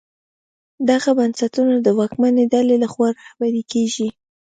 دغه بنسټونه د واکمنې ډلې لخوا رهبري کېږي.